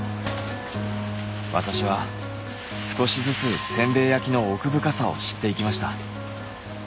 私は少しずつせんべい焼きの奥深さを知っていきました。